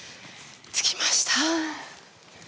着きました。